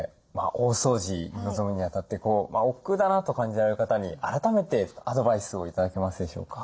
大掃除臨むにあたっておっくうだなと感じられる方に改めてアドバイスを頂けますでしょうか？